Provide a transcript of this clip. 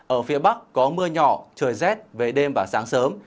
ở phía bắc có mưa nhỏ trời rét về đêm và sáng sớm